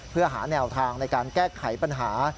เพื่อหาแนวทางในการแก้ไขปัญหา